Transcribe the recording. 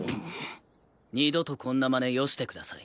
二度とこんなまねよしてください。